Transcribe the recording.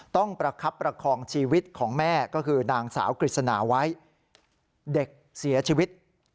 ประคับประคองชีวิตของแม่ก็คือนางสาวกฤษณาไว้เด็กเสียชีวิต